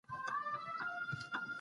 زه خطا نه کوم.